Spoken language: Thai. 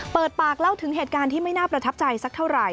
เปิดปากเล่าถึงเหตุการณ์ที่ไม่น่าประทับใจสักเท่าไหร่